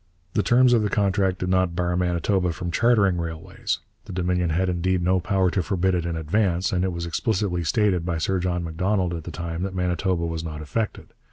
The terms of the contract did not bar Manitoba from chartering railways: the Dominion had indeed no power to forbid it in advance, and it was explicitly stated by Sir John Macdonald at the time that Manitoba was not affected.